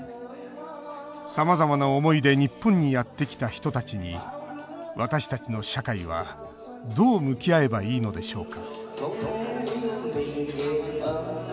さまざまな思いで日本にやってきた人たちに私たちの社会はどう向き合えばいいのでしょうか